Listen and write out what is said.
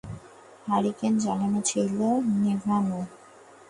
Hurricane জ্বালানো ছিল, নিভানো!